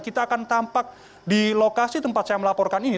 kita akan tampak di lokasi tempat saya melaporkan ini